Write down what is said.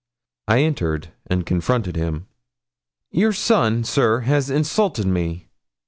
I entered and confronted him. 'Your son, sir, has insulted me.'